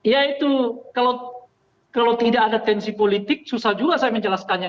ya itu kalau tidak ada tensi politik susah juga saya menjelaskannya